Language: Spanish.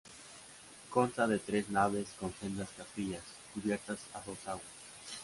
Consta de tres naves con sendas capillas, cubiertas a dos aguas.